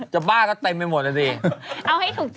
จะบ้าก็เต็มไปหมดเลยเอาให้ถูกใจส่งมาถูกให้